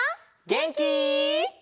げんき！